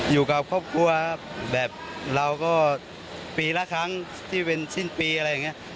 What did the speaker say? อยู่กับครอบครัวแบบเราก็ปีละครั้งที่เป็นสิ้นปีอะไรอย่างนี้